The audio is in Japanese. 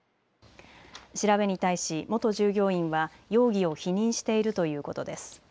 調べに対し元従業員は容疑を否認しているということです。